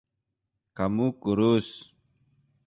Kamu kurus.